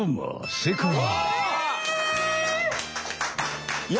正解は。